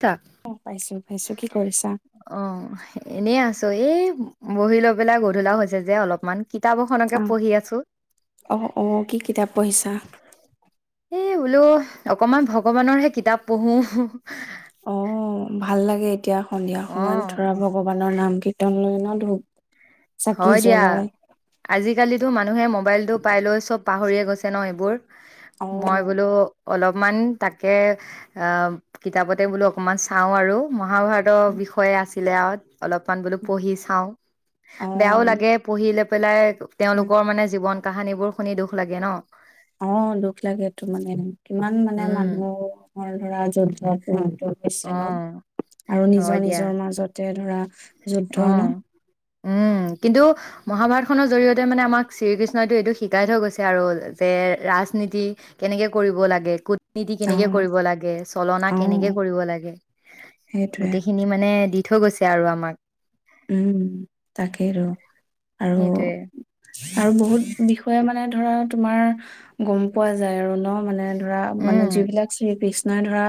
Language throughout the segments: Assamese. [unintelligible] অ' পাইছো পাইছো কি কৰিছা এনে আছ ত' এই বহি লৈ পেলাই গধূলাও হৈছে যে অলপমান? কিতাপ এখনকে পঢ়ি আছো আহ অ'-অ' কি কিতাপ পঢ়িছা? এই বোলো অকমান ভগৱানৰহে কিতাপ পঢ়োঁ। অ' ভাল লাগে এতিয়া সন্ধিয়া অ সময়ত ধৰা ভগৱানৰ নামগীত [unintelligible] হয় দিয়া। আজিকালিতো মানুহে মোবাইলতটো পাই লৈ চব পাহৰিয়ে গৈছে ন' এইবোৰ? অ মই বোলো অলপমান তাকে অ' কিতাপতে বোলো অকমান চাওঁ আৰু মই মহাভাৰতৰ বিষয়ে আছি [unintelligible] অলপমান বোলো পঢ়ি চাওঁ। অ বেয়াও লাগে পঢ়ি লৈ পেলাই উম তেওঁলোকৰ মানে জীৱন কাহানীবোৰ শুনি দুখ লাগে ন'? অ' দুখ লাগেটো মানে কিমান মানে উম মানুহৰ ধৰা যুদ্ধ- যুদ্ধ হৈছে ন'? অ আৰু হয় নিজৰ দিয়া নিজৰ মাজতে ধৰা যুদ্ধ ন'? অ', উম কিন্তু মহাভাৰতখনৰ জৰিয়তে মানে আমাক শ্ৰীকৃষ্ণইতটো এইটো শিকাই থৈ গৈছে আৰু যে ৰাজনীতি কেনেকে কৰিব লাগে, ক'ত নীতি অ কেনেকে কৰিব লাগে। চলনা অ কেনেকে কৰিব লাগে। সেইটোৱে গোটেইখিনি মানে দি থৈ গৈছে আৰু আমাক। উম তাকে আৰু। আৰু- সেইটোৱে আৰু বহুত বিষয়ে মানে ধৰা তোমাৰ গম পোৱা যায় আৰু নহয় মানে ধৰা মানে উম, যিবিলাক শ্ৰীকৃ নে ধৰা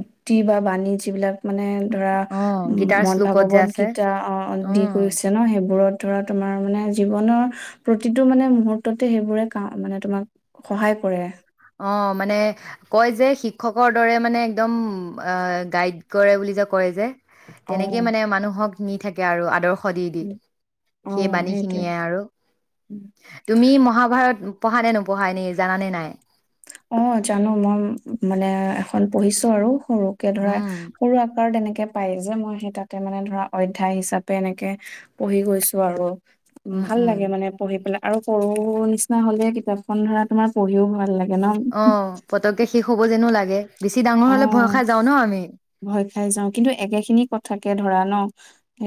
উক্তি বা বাণী যিবিলাক মানে ধৰা অ', উম গীতাৰ মদ শ্লোকত যে ভাগৱত আছে গীতা অঁ দি উম, কৰিছে ন' সেইবোৰত? ধৰা তোমাৰ মানে জীৱনৰ প্ৰতিটো মানে মুহুৰ্ততে সেইবোৰে কাম মানে তোমাক সহায় কৰে। অ' মানে কয় যে শিক্ষকৰ দৰে মানে একদম উম আ গাইড কৰে বুলি যে কয় যে। অ তেনেকে মানে মানুহক নি থাকে আৰু আদৰ্শ খ [unintelligible] দি দি, উম অ সেই বাণী সেইটোৱে খিনিয়ে আৰু উম তুমি মহাভাৰত পঢ়া নে নপঢ়া, এনে জানা নে নাই? অ জানো, মই মানে এখন পঢ়িছো আৰু। সৰুকে ধৰা উম, সৰু আকাৰ তেনেকে পায় যে মই সেই তাতে মানে ধৰা অধ্যায় হিচাপে এনেকে পঢ়ি গৈছো আৰু উম, ভাল লাগে মানে পঢ়ি পেলায়। আৰু [unintelligible] নিচিনা হ'লে কিতাপখন ধৰা তোমাৰ পঢ়িও ভাল লাগে। ন। অ পতককে শেষ হব যেনো লা [unintelligible] [unintelligible] অ' ভয় খাই যাও কিন্তু একেখিনি কথাকে ধৰা ন।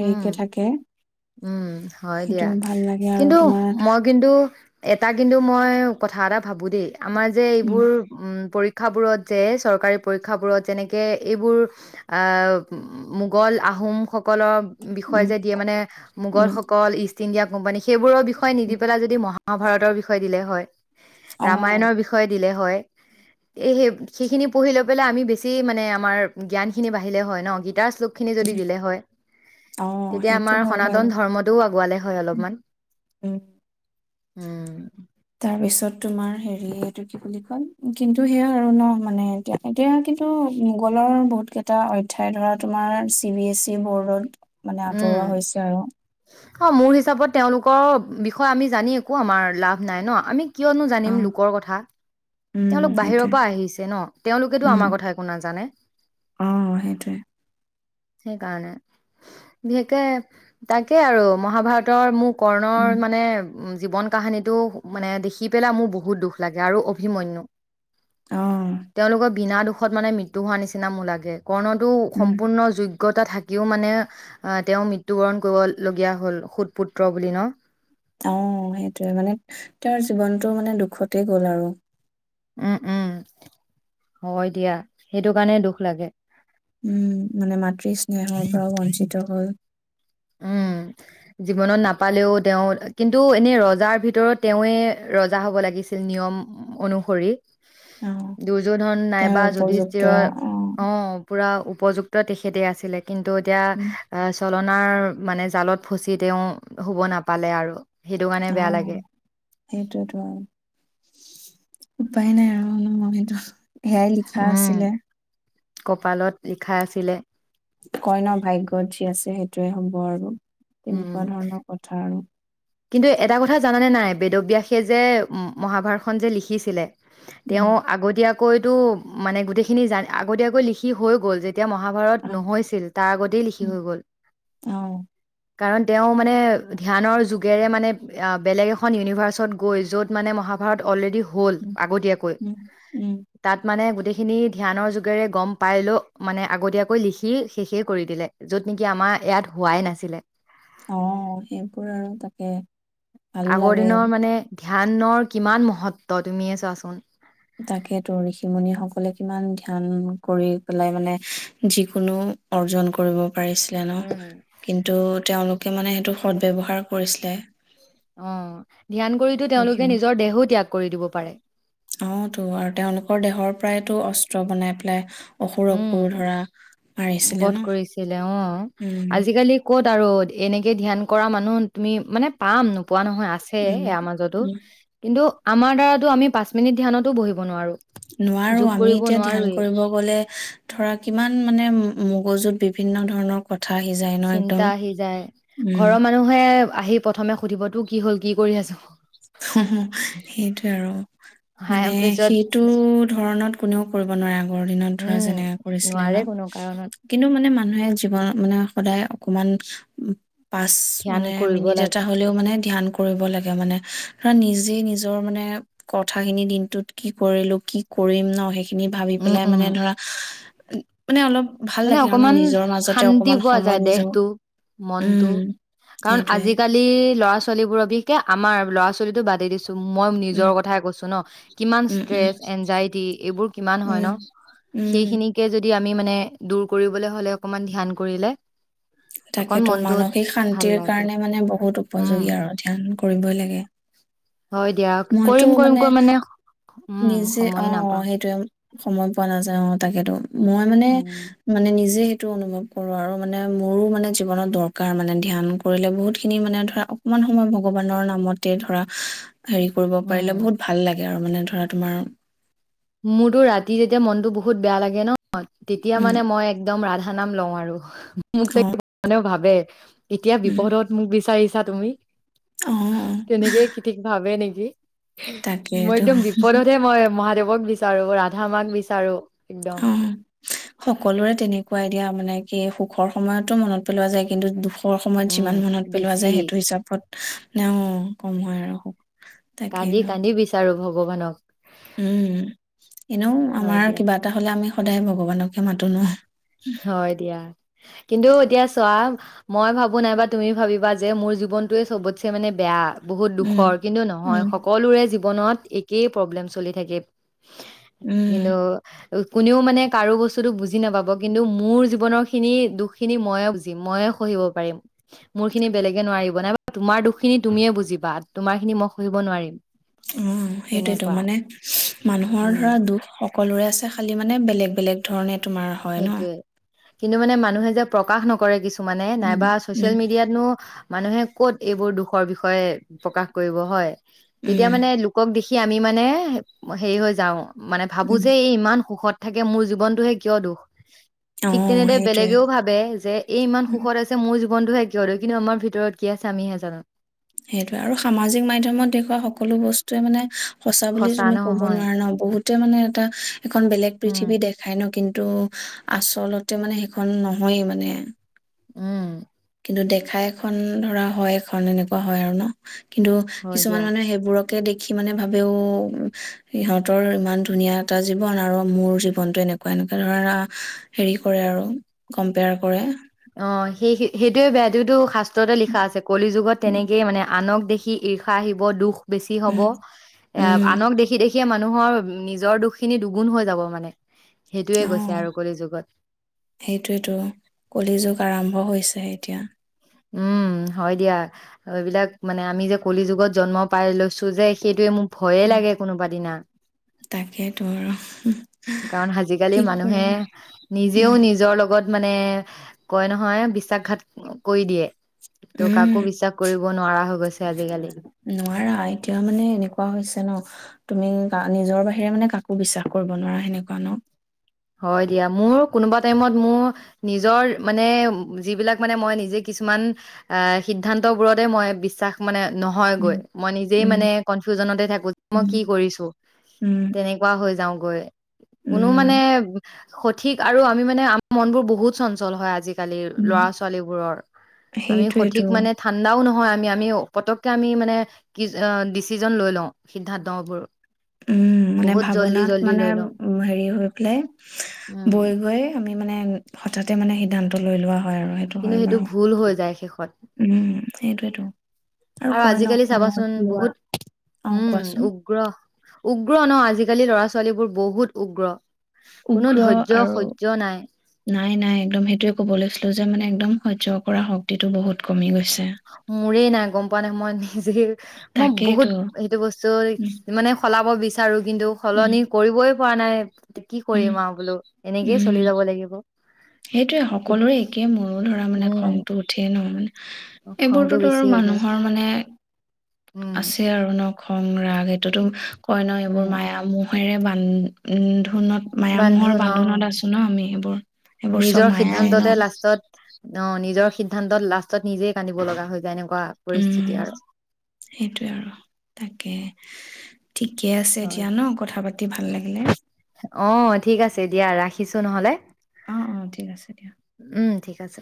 উম, থাকে উম। হয় সেইটো দিয়া। ভাল লাগে আৰু কিন্তু তোমাৰ মই কিন্তু এটা কিন্তু মই কথা এটা ভাবো দেই আমাৰ যে উম, এইবোৰ উ প পৰীক্ষাবোৰত যে, চৰকাৰী পৰীক্ষাবোৰত যেনেকে এইবোৰ আ মোগল আহোম স কল বিষয় উম, যে দিয়ে মানে উম, মোগলসকল ইষ্ট ইষ্ট ইণ্ডিয়া কোম্পানী সেইবোৰৰ বিষয়ে নিদি উম, পেলাই যদি মহা মহাভাৰতৰ বিষয়ে দিলে হয়। অ', ৰামায়ণৰ বিষয়ে দিলে হয়। [unintelligible] সেইখিনি পঢ়ি লৈ [unintelligible] আমি বেছি মানে আমাৰ জ্ঞান খিনি বাঢ়িলে হয় ন [unintelligible] গীতাৰ শ্লোকখিনি যদি উম, দিলে হয়। অ' তেতিয়া সেইটো আমাৰ হয় বাৰু সনাতন ধৰ্মটোও আগুৱালে হয় উম, অলপমান। উম। তাৰ পিছত তোমাৰ হেৰি এইটো কি বুলি কয় কিন্তু সেয়া আৰু ন মানে এতিয়া- এতিয়া কিন্তু মোগলৰ বহুত কেইটা অধ্যায় ধৰা তোমাৰ চি বি এছ চি বৰ্ডত মানে উম। আঁতৰোৱা হৈছে আৰু অ' মোৰ হিচাপত তেওঁলোকৰ বিষয়ে আমি জানি একো আমাৰ লাভ নাই ন আমি কিয়নো অ জানিম লোকৰ কথা। উম তেওঁলোক বাহিৰৰ সেইটোৱে পৰা আহিছে ন! তেওঁলোকেতো উম আমাৰ কথা একো নাজানে। অ সেইটোৱে সেইকাৰণে, বিশেষকে তাকে আৰু মহাভাৰতৰ মো কৰ্ণৰ উম মানে উ জীৱন কাহানীটো মানে দেখি পেলাই মোৰ বহুত দুখ লাগে আৰু ভিমন্যু অ তেওঁলোকৰ বিনা দুখ শেষত মানে মৃত্যু হোৱা নিচনা মোৰ লাগে কৰ্ণটো উম সম্পূৰ্ণ যোইগ অজ্ঞতা থাকিও মানে তেওঁ মৃত্যু বৰণ কৰিবলগীয়া হল সুতপুত্ৰ বুলি ন? অহ সেইটোৱে মানে তেওঁৰ জীৱনটো মানে দুখতেই গ'ল আৰু উম উম হয় দিয়া সেইটো কাৰণে দুখ লাগে উম মানে মাতৃ স্নেহৰ পৰা বঞ্চিত হ'ল উম জীৱনত নাপালেও তেওঁ কিন্তু এনে ৰজাৰ ভিতৰত তেৱে ৰজা হ'ব লাগিছিল নিয়ম অনুসৰি অ দুৰ্যোধন তেওঁৰ নাইবা উপযুক্ত যুধিষ্ঠিৰ অ পুৰা উপযুক্ত তেখেতে আছিলে কিন্তু এতিয়া উম চ তুলনাৰ মানে জালত ফচি তেওঁ শুব নাপালে আৰু সেইটো কাৰণে অ বেয়া লাগে সেইটোয়েতো উপায় নাই আৰু উম সেইটো সেয়াই লিখা উম আছিলে কপালত লিখা আছিলে কই ন ভাগ্যত যি আছে সেইটোৱে হ'ব আৰু উম তেনেকুৱা ধৰণৰ কথা আৰু কিন্তু এটা কথা জানানে নাই বেদব্যাসে যে মহাভাৰতখন যে লিখিছিলে উম তেওঁ আগতীয়া কৈতো মানে গোটেইখিনি জান আগতীয়াকৈ লিখি হৈ গ'ল যে এতিয়া মহাভাৰত আহ নহৈছিল তাৰ আগতেই লিখি উম হৈ গ'ল আহ কাৰণ তেওঁ মানে ধ্যানৰ যুগ যোগেৰে মানে বেলেগ এখন ইউনিভাৰ্চত গৈ য'ত মানে মহাভাৰত অলৰেডি হল উম আগতীয়াকৈ উম উম তাত মানে গোটেইখিনি ধ্যানৰ যোগেৰে গম পাই লও মানে আগতীয়াকৈ লিখি শেষে কৰি দিলে যত নেকি আমাৰ ইয়াত হোৱাই নাছিলে অ সেইবোৰ আৰু তাকে ভাল আগৰ লাগে দিনৰ মানে ধ্যানৰ কিমান মহত্ব তুমিয়ে চোৱাচোন তাকে তো ঋষি মুনি সকলে কিমান ধ্যান কৰি পেলাই মানে যিকোনো অৰ্জন কৰিব পাৰিছিলে ন উম। কিন্তু তেওঁ কিমানে সেইটো সদ ব্যৱহাৰ কৰিছিলে অ ধ্যান কৰিতো তেওঁলোকে নিজৰ দেহো ত্যাগ কৰি দিব পাৰে। আহ তো আৰু তেওঁলোকৰ দেহৰ পৰাইতো অস্ত্ৰ বনাই পেলাই অসুৰকো উম ধৰা মাৰিছিলে ন বধ কৰিছিলে অ উম আজিকালি ক'ত আৰু এনেকে ধ্যান কৰা মানুহ তুমি মানে পাম পোৱা নহয় আছে উম ইয়াৰ মাজতো উম কিন্তু আমাৰদ্বাৰাটো আমি পাঁচ মিনিট ধ্যানটো বহিব নোৱাৰো। নোৱাৰো যোগ আমি কৰিব এতিয়া ধ্যান নোৱাৰোৱেই কৰিব গ'লে ধৰা কিমান মানে মগজুত বিভিন্ন ধৰণৰ কথা আহি যায় ন একদম চিন্তা আহি যায় উম ঘৰৰ মানুহে আহি প্ৰথমে সুধিবতো কি হ'ল কি কৰি আছো। অ সেইটোয়ে আৰু হাই মানে তাৰপিছত সেইটো ধৰণত কোনেও কৰিব নোৱাৰে। আগৰ দিনত ধৰা উম যেনে কৰিছিলে ন নোৱাৰে কোনো কাৰণত কিন্তু মানে মানুহে জীৱন মানে সদায় অকমান পাঁচ ধ্যান মানে কৰিব মিনিট লাগে। এটা হ'লেও মানে ধ্যান কৰিব লাগে মানে ধৰা নিজে নিজৰ মানে কথাখিনি দিনটোত কি কৰিলো কি কৰিম ন সেই সেই খিনি ভাবি উম, পেলাই উম, মানে ধৰা মানে অলপ ভাল মানে লাগে আৰু ন অকমান নিজৰ মাজতে শান্তি অকমান পোৱা সময় যায় নিজৰ দেহটো মনটো উম কাৰণ সেইটোৱে আজিকালি ল'ৰা ছোৱাল ছোৱলীবোৰ অবিশে আমাৰ ল'ৰা ছোৱালীটো বাদ দিছো উম মই উম নিজৰ কথা কৈছোঁ ন কিমান উম উম ষ্ট্ৰেছ অ এঞ্জইটিএইবোৰ কিমান হয় ন উম উম হেখনিকে যদি আকৌ আমি মানে দূৰ কৰিবলৈ হ'লে অকমান ধ্যান কৰিলে অকন তাকেতো মনটোত মানসিক ভাল শান্তিৰ লাগে। কাৰণে মানে বহুত উম, উপযোগী আৰু ধ্যান। কৰিবই লাগে। হয় দিয়া কৰিম কৰিম কৰি মানে উম নিজে অ সময়ে নাপাওঁ। সেইটোৱে সময় পোৱা নাযায় অ তাকেতো। মই মানে উম, মানে নিজে অনুভৱ কৰো আৰু মানে মোৰো মানে জীৱনত দৰকাৰ মানে ধ্যান কৰিলে বহুত খিনি মানে ধৰা অকমান সময় ভগৱানৰ নামতে ধৰা হেৰি কৰিব উম, পাৰিলে বহুত ভাল লাগে আৰু মানে ধৰা তোমাৰ মোৰতো ৰাতি যেতিয়া মনতো বহুত বেয়া লাগে ন তেতিয়া উম মানে মই একদম ৰাধা সানাম লওঁ আৰু মোক যে অ মানেও ভাব যে এতিয়া উম বিপদত মোক বিচাৰিছে ছা তুমি অ অ তেনেকে কি ঠিক ভাবে নেকি কি? মই তাকেইতো একদম বিপদতহে মই মাত দেৱক বিচাৰো ৰাধা মাক বিচাৰো একদম অ সকলোৰে তেনেকুৱাই এতিয়া মানে কি সুখৰ সময়তো মনত পেলোৱা যায় কিন্তু দুখ সুখৰ সময়ত উম যিমান মনত পেলোৱা বেছি যায় সেইটো হিচাপত অ' কম হয় আৰু তাকেই ন কান্দি কান্দি বিচাৰো ভ ভগৱানক উম এনেও হয় আমাৰ দিয়া কিবা এটা হ'লে আমি সদায় ভগৱানকে মাতো নো হয় দিয়া কিন্তু এতিয়া চোৱা মই ভাবো নাইবা তুমি ভাবিবা যে মোৰ জীৱনটোৱে চবতছে মানে বেয়া বহুত উম দুখৰ কিন্তু নহয় উম সকলোৰে জী বনত একেই প্ৰব্লেম চলি থাকে উম কিন্তু কোনেও মানে কাৰো বস্তুতটো বুজি নাপাব কিন্তু মোৰ জীৱনৰ খিনি দুখখিনি ময়ে বুজিম ময়ে সহিব পাৰিম মোৰ খিনি বেলেগে নোৱাৰিব নাই তোমাৰ দুখিনি তুমিয়ে বুজিবা তোমাৰ খিনি মই সহিব নোৱাৰিম অ সেইটোয়তো তেনেকুৱা মানে মানুহৰ উম ধৰা দুখ স সকলোৰে আছে খালি মানে বেলেগ বেলেগ ধৰণে তোমাৰ হয় ন সেইটোয়ে কিন্তু মানে মানুহে যে প্ৰকাশ নকৰে কিছু মানে উম নাইবা উম চচিয়েল মিডিয়াতনো মানুহে ক'ত এইবোৰ দুখৰ বিষয়ে প্ৰকাশ কৰিব হয় তেতিয়া উম মানে লোকক দেখি কি আমি মানে হেৰি হৈ যাওঁ মানে ভাবো উম যে এই ইমান সুখত থাকে মোৰ জীৱনটোহে কিয় দ অ ঠিক তেনেদৰে সেইটোয়ে বেলেগেও ভাবে যে এই ইমান সুখত আছে মোৰ জ বন্ধুহে কিয় দ কিন্তু আমাৰ ভিতৰত কি আছে আমিহে জানো। সেইটোৱে আৰু সামাজিক মাধ্যমত দেখুওৱা সকলো বস্তুৱে মানে সঁচা বুলি তুমি ক'ব নোৱাৰা ন বহুতে মানে এটা এখন বেলেগ উম পৃথিৱী দেখাই ন কিন্তু টো আচলতে মানে সেইখন নহয়েই মানে উম কিন্তু দেখা এখন ধৰা হয় এখন এনেকুৱা হয় আৰু ন? কিন্তু হয় কিছুমান দিয়া মানুহে সেইবোৰক লোকে দেখি মানে ভাবেও সিহঁতৰ ইমান ধুনীয়া এটা জীৱন আৰু মোৰ জীৱনটো এনেকুৱা -এনেকুৱা ধৰণা হেৰি কৰে আৰু কম্পেয়াৰ কৰে। অ সেই সেইটোৱে বেয়াটো শাস্ত তে লিখা আছে কলি যুগত তেনেকেই মানে আনক দেখি ঈৰ্ষা আহিব দুখ বেছি হ'ব উম এ উম আনক দেখি দেখিয়ে মানুহৰ নিজৰ দুখখিনি দুগুণ হৈ যাব মানে। সেইটোৱে অ গৈছে আৰু কলি যুগত সেইটোয়েতো কলি যুগ আৰম্ভ হৈছে এতিয়া। উম হয় দিয়া এইবিলাক মানে আমি যে কলি যুগত জন্ম পাই লৈছো যে সেইটোৱে মোক ভয়ে লাগে কোনোবা দিনা। তাকেইতো আৰু কাৰণ আজিকালি কি মানুহে কৰিম আৰু নিজেও নিজৰ লগত মানে কয় নহয় বিশ্বাসঘাত কৈ দিয়ে। ত' কাকো বিশ্বাস কৰিব নোৱাৰা হৈ গৈছে উম আজিকালি নোৱাৰা এতিয়া মানে এনেকুৱা হৈছে ন তুমি নিজৰ বাহিৰে মানে কাকো বিশ্বাস কৰিব নোৱাৰা সেনেকুৱা ন হয় দিয়া মোৰ কোনোবা টাইমত মোৰ নিজৰ মানে যিবিলাক মানে মই নিজে কিছুমান এ সিদ্ধান্তবোৰতে মই বিশ্বাস মানে উম নহয়গৈ মই নিজেই উম মানে কনফিউজনতে থাকো যে মই উম কি কৰিছো উম, তেনেকুৱা হৈ যাও। গৈ কোনো মানে উম, সঠিক আৰু আমি মানে আমাৰ মন বোৰ বহুত চঞ্চল হয় আজিকালি আজিকালি উম। ল'ৰা ছোৱালীবোৰৰ আমি সঠিক সেইটোৱেতো, মানে ঠাণ্ডাও নহয় আমি পতকে আমি মানে কি অ ডিচিজন লৈ লওঁ সিদ্ধান্তবোৰ উম মানে বহুত জল্দি ভাৱনাত জল্দি মানে লৈ লওঁ উ হেৰি হৈ পেলাই উম বৈ গৈ আমি মানে মান হঠাতে মানে সিদ্ধান্ত লৈ লোৱা হয় আৰু সেইটো কিন্তু হয় বাৰু ভুল হৈ যায় শেষত উম সেইটোয়েতটো আৰু কৈ আজিকালি কোন সময়ত চাবাচোন কি হয় বহুত অ' উম কোৱাচোন উগ্ৰ উগ্ৰ ন আজিকালি ল'ৰা ছোৱালীবোৰ বহুত উগ্ৰ কোনো উগ্ৰ ধৈৰ্য আৰু সহ্য নাই নাই নাই একদম সেইটোৱে ক'ব লৈছিলো যে মানে একদম সহ্য কৰা শক্তিটো বহুত কমি গৈছে মোৰে নাই গম পোৱা নাই মই নিজে মই বহুত তাকেইতো সেইটো বস্তু উম, মানে সলা অ' বিচাৰো কিন্তু উম, সলনি কৰিবই পোৱা নাই কি উম, কৰিম আৰু বোলো এনেকেই উম। চলি যাব লাগিব সেইটোৱে সকলোৰে একেই মোৰো ধৰা মানে উম খংটো উঠিল নানে খংটো এইবোৰতোতো বেছি আৰু হৈ যায় মানুহৰ মানে উম আছে আৰু ন খং ৰাগ এইটোতো কয় ন এইবোৰ উম মায়া মোহ ভৈৰে বান্ধোনত মায়া মোহৰ বান্ধোন অ বান্ধোনত আছো ন আমি সেইবোৰ সেইবোৰ চব মায়াই ন ন নিজৰ সিদ্ধান্তত লাষ্টত নিজেই কান্দিব লগা যায় এনেও উম সেইটোয়ে আৰু তাকে ঠিকে আছে হয়, এতিয়া ন কথা পাতি ভাল লাগিলে অ' ঠিক আছে দিয়া ৰাখিছো নহ'লে। অ অ ঠিক আছে দিয়া উম ঠিক আছে।